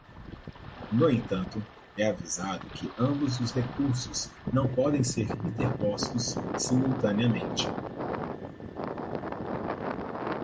No entanto, é avisado que ambos os recursos não podem ser interpostos simultaneamente.